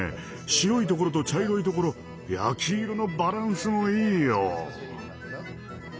白いところと茶色いところ焼き色のバランスもいいよ。